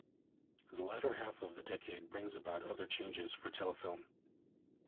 The latter half of the decade brings about other changes for Telefilm.